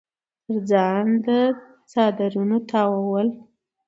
تر ځان د څادرنو تاوول